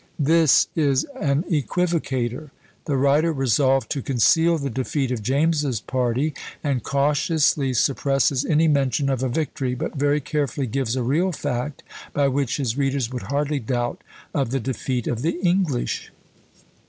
This is "an equivocator!" The writer resolved to conceal the defeat of James's party, and cautiously suppresses any mention of a victory, but very carefully gives a real fact, by which his readers would hardly doubt of the defeat of the English!